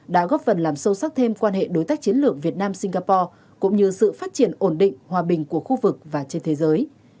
đã góp phần làm sâu sắc thêm quan hệ đối tác chiến lược việt nam singapore cũng như sự phát triển ổn định hòa bình của khu vực và trên thế giới